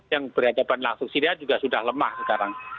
yang berhadapan langsung syria juga sudah lemah sekarang